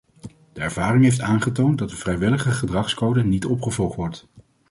De ervaring heeft aangetoond dat een vrijwillige gedragscode niet opgevolgd wordt.